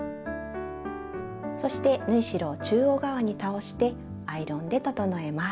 そして縫い代を中央側に倒してアイロンで整えます。